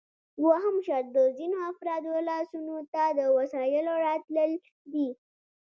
دوهم شرط د ځینو افرادو لاسونو ته د وسایلو راتلل دي